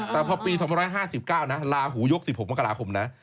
แต่พอปี๒๕๙นะลาหูยก๑๖มกราคมนะ